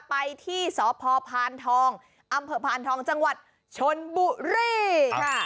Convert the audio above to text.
ไปที่สพพานทองอพทจชนบุรีค่ะ